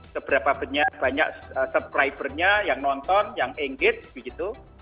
seberapa banyak subscribernya yang nonton yang engage gitu